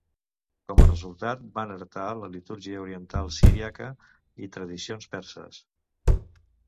Com a resultat, van heretar la litúrgia oriental siríaca i tradicions perses.